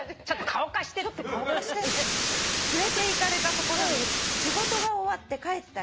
「連れていかれた所に仕事が終わって帰った人